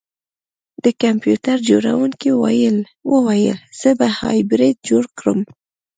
د کمپیوټر جوړونکي وویل زه به هایبریډ جوړ کړم